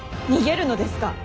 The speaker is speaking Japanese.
逃げるのですか。